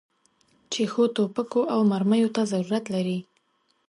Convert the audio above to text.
چې ښو توپکو او مرمیو ته ضرورت لري.